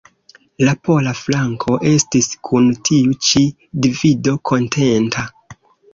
La pola flanko estis kun tiu ĉi divido kontenta.